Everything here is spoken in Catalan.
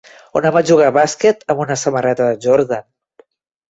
Un home juga a bàsquet amb una samarreta de Jordan.